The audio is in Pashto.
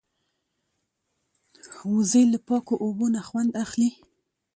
وزې له پاکو اوبو نه خوند اخلي